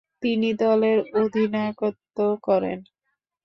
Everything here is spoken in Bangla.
তিনি দলের অধিনায়কত্ব করেন।